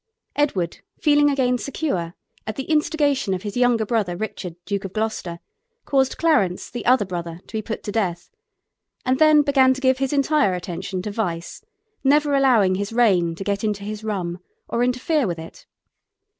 Edward, feeling again secure, at the instigation of his younger brother, Richard, Duke of Gloucester, caused Clarence, the other brother, to be put to death, and then began to give his entire attention to vice, never allowing his reign to get into his rum or interfere with it.